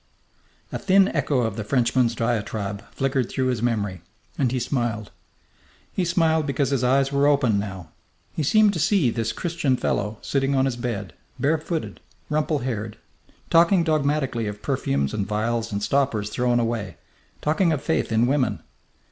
A thin echo of the Frenchman's diatribe flickered through his memory, and he smiled. He smiled because his eyes were open now. He seemed to see this Christian fellow sitting on his bed, bare footed, rumple haired, talking dogmatically of perfumes and vials and stoppers thrown away, talking of faith in women.